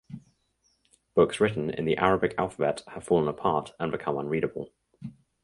Books written in the Arabic alphabet have fallen apart and become unreadable.